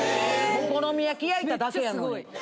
お好み焼き焼いただけやのに。